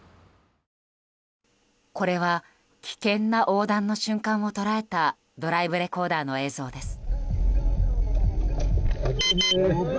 これは危険な横断の瞬間を捉えたドライブレコーダーの映像です。